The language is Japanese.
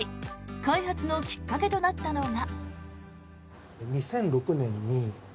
開発のきっかけとなったのが。